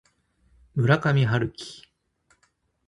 村上春樹